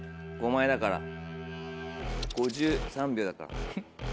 ５枚だから５３秒だから。